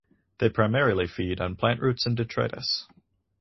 They primarily feed on plant roots and detritus.